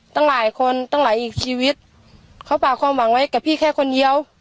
ตั้งหลายคนตั้งหลายอีกชีวิตเขาฝากความหวังไว้กับพี่แค่คนเดียว